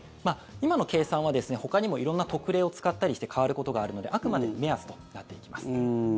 今の計算は、ほかにも色んな特例を使ったりして変わることがあるのであくまで目安となっていきます。